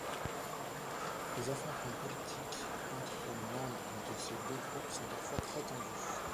Les affrontements politiques entre membres de ces deux groupes sont parfois très tendus.